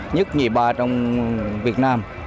nhất nhì ba trong việt nam